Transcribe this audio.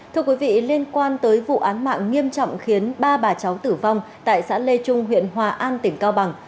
thưa quý vị liên quan tới vụ án mạng nghiêm trọng khiến ba bà cháu tử vong tại xã lê trung huyện hòa an tỉnh cao bằng